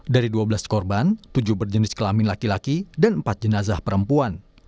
dari dua belas korban tujuh berjenis kelamin laki laki dan empat jenazah perempuan